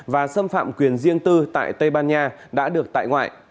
và xâm phạm quyền riêng tư tại tây ban nha đã được tại ngoại